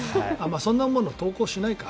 そんなものは投稿しないか。